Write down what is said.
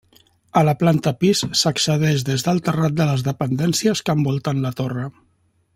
A la planta pis s'accedeix des del terrat de les dependències que envolten la torre.